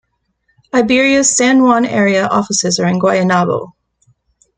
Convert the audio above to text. Iberia's San Juan-area offices are in Guaynabo.